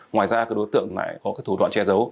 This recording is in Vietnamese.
ngoài ra các đối tượng lại có thủ đoạn che giấu